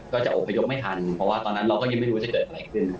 จะอบพยพไม่ทันเพราะว่าตอนนั้นเราก็ยังไม่รู้ว่าจะเกิดอะไรขึ้น